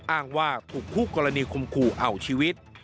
อ้างว่าถูกคู่กรณีคมคู่เอาชีวิต